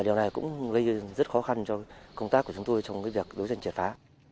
điều này cũng gây rất khó khăn cho công tác của chúng tôi trong việc đấu tranh triệt phá